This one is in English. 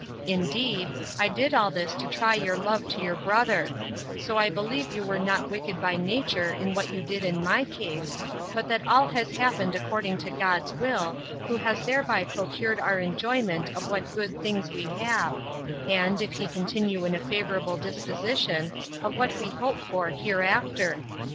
Indeed, I did all this to try your love to your brother; so I believe you were not wicked by nature in what you did in my case, but that all has happened according to God's will, who has hereby procured our enjoyment of what good things we have; and, if he continue in a favorable disposition, of what we hope for hereafter.